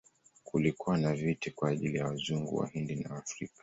Kulikuwa na viti kwa ajili ya Wazungu, Wahindi na Waafrika.